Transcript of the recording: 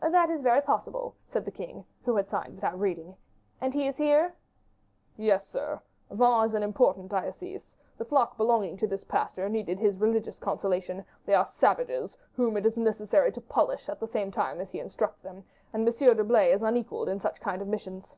"That is very possible," said the king, who had signed without reading; "and he is here?" "Yes, sire; Vannes is an important diocese; the flock belonging to this pastor needed his religious consolation; they are savages, whom it is necessary to polish, at the same time that he instructs them, and M. d'Herblay is unequalled in such kind of missions."